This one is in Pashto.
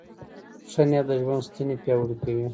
ښه نیت د ژوند ستنې پیاوړې کوي.